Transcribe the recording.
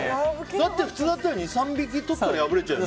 だって、普通だったら２３匹とったら破れちゃうよね。